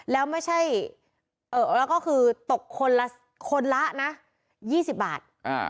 แล้วไม่ใช่แล้วก็คือตกคนละคนละนะ๒๐บาท